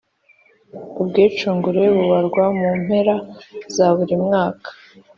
Ubwicungure bubarwa mu mpera za buri mwaka